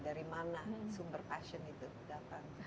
dari mana sumber passion itu datang